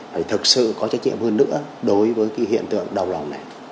phải thực sự có trách nhiệm hơn nữa đối với cái hiện tượng đau lòng này